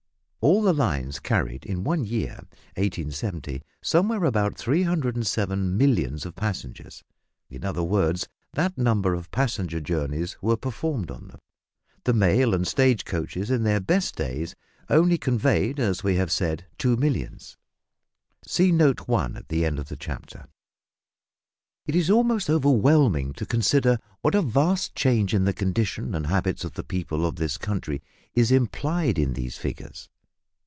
All the lines carried in one year (1870) somewhere about 307 millions of passengers in other words, that number of passenger journeys were performed on them. The mail and stage coaches in their best days only conveyed, as we have said, two millions! See note at end of chapter. It is almost overwhelming to consider what a vast change in the condition and habits of the people of this country is implied in these figures.